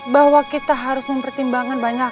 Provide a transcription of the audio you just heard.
bahwa kita harus mempertimbangkan banyak